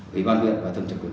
với ban quyền và tầm trực quyền